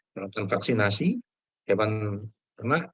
melakukan vaksinasi hewan ternak